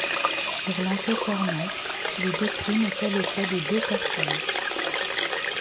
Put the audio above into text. Pour l'enquêteur Mike, les deux crimes étaient le fait de deux personnes.